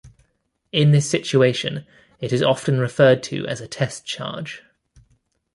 In this situation it is often referred to as a test charge.